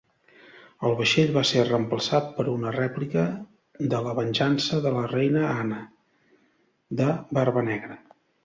El vaixell va ser reemplaçat per una rèplica de la "Venjança de la Reina Anna", de Barbanegra.